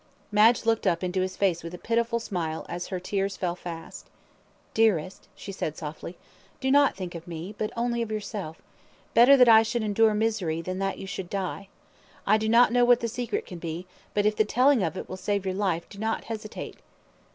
Madge looked up into his face with a pitiful smile as her tears fell fast. "Dearest!" she said, softly. "Do not think of me, but only of yourself; better that I should endure misery than that you should die. I do not know what the secret can be, but if the telling of it will save your life, do not hesitate.